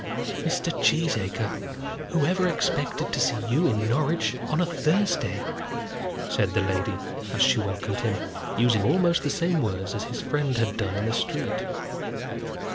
"Mr. Cheesacre, whoever expected to see you in Norwich on a Thursday?" said the lady, as she welcomed him, using almost the same words as his friend had done in the street.